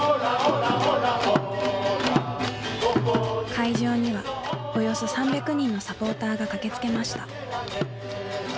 会場にはおよそ３００人のサポーターが駆けつけました。